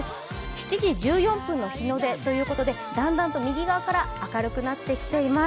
７時１４分の日の出ということで、だんだんと右側から明るくなってきています。